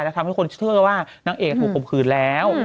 และทำให้คนเชื่อว่านางเอกถูกข่มขืนแล้ว